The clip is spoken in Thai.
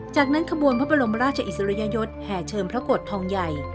จากนั้นขบวนพระบรมราชอิสริยยศแห่เชิมพระโกรธทองใหญ่